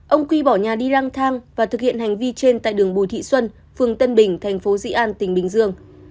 ông quy bỏ nhà đi răng thang và thực hiện hành vi trên tại đường bùi thị xuân phường tân bình thành phố dị an tỉnh bình dương